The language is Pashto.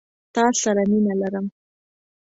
تا سره مينه لرم